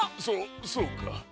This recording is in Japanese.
そそうか。